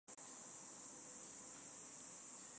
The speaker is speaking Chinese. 獐耳细辛为毛茛科獐耳细辛属下的一个变种。